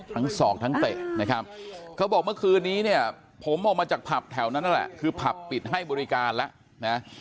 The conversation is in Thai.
ศอกทั้งเตะนะครับเขาบอกเมื่อคืนนี้เนี่ยผมออกมาจากผับแถวนั้นนั่นแหละคือผับปิดให้บริการแล้วนะ